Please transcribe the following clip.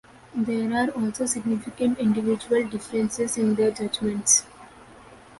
There are also significant individual differences in their judgements.